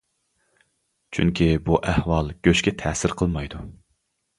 چۈنكى بۇ ئەھۋال گۆشكە تەسىر قىلمايدۇ.